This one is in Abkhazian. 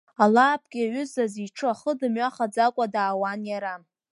Алаапк иаҩызаз иҽы ахы дҩамыхаӡакәа даауан иара.